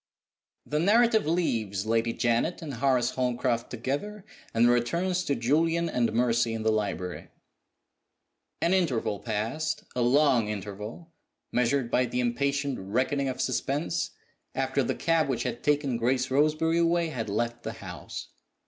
THE narrative leaves Lady Janet and Horace Holmcroft together, and returns to Julian and Mercy in the library. An interval passed a long interval, measured by the impatient reckoning of suspense after the cab which had taken Grace Roseberry away had left the house.